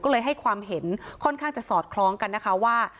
ก็เลยให้ความเห็นค่อนข้างจะสอดคล้องกันนะคะว่า